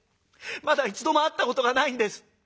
まだ一度も会ったことがないんです」。